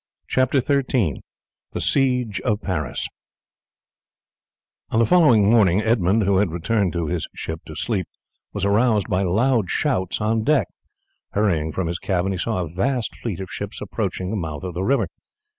CHAPTER XIII: THE SIEGE OF PARIS On the following morning Edmund, who had returned to his ship to sleep, was aroused by loud shouts on deck. Hurrying from his cabin he saw a vast fleet of ships approaching the mouth of the river.